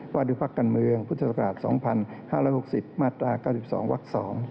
ว่าด้วยพักการเมืองพุทธศักราช๒๕๖๐มาตรา๙๒วัก๒